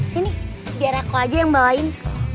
sini biar aku aja yang bawain